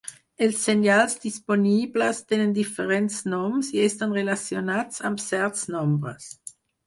Els senyals disponibles tenen diferents noms i estan relacionats amb certs nombres.